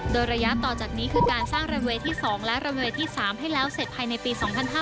โดยระยะต่อจากนี้คือการสร้างระเวย์ที่๒และระเวย์ที่๓ให้แล้วเสร็จภายในปี๒๕๕๙